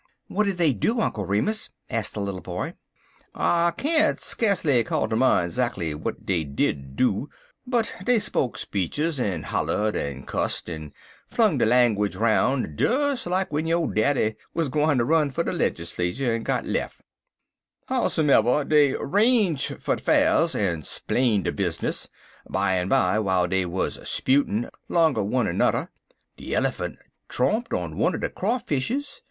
"What did they do, Uncle Remus?" asked the little boy. "I can't skacely call to mine 'zackly w'at dey did do, but dey spoke speeches, en hollered, en cusst, en flung der langwidge 'roun' des like w'en yo' daddy wuz gwineter run fer de legislater en got lef'. Howsomever, dey 'ranged der 'fairs, en splained der bizness. Bimeby, w'ile dey wuz 'sputin' 'longer one er nudder, de Elephant trompled on one er de Crawfishes.